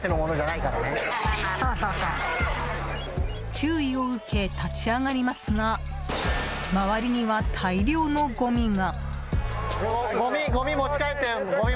注意を受け、立ち上がりますが周りには大量のごみが。